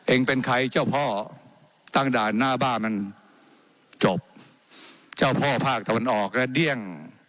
เองเป็นใครเจ้าพ่อตั้งด่านหน้าบ้านมันจบเจ้าพ่อภาคตะวันออกและเดี้ยง